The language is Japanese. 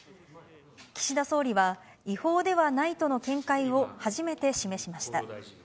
岸田総理は、違法ではないとの見解を初めて示しました。